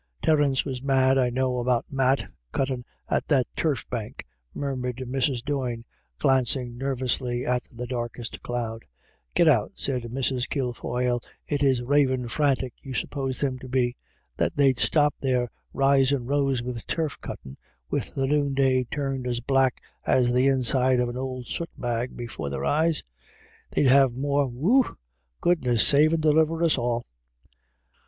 Terence was mad, I know, about Matt cuttin at that turf bank," murmured Mrs. Doyne, glancing nervously at the darkest cloud. THUNDER IN THE AIR. 185 " Git out," said Mrs. Kilfoyle, " is it ravin* frantic you suppose them to be, that they'd stop there risin' rows about turf cuttin', wid the noon day turned as black as the inside of an ould sut bag before their eyes ? They'd have more — Whooo — goodness save and deliver us all